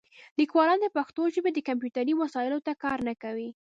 لیکوالان د پښتو ژبې د کمپیوټري وسایلو ته کار نه کوي.